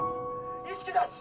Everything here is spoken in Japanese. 意識なし！